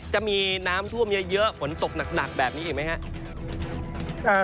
จะมีน้ำท่วมเยอะฝนตกหนักแบบนี้อีกไหมครับ